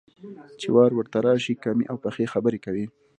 چې وار ورته راشي، کمې او پخې خبرې کوي.